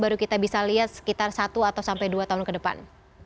baru kita bisa lihat sekitar satu atau sampai dua tahun ke depan